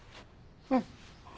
うん。